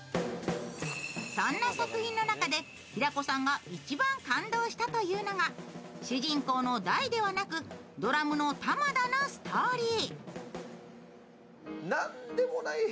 そんな作品の中で、平子さんが一番感動したというのが主人公の大ではなくドラムの玉田のストーリー。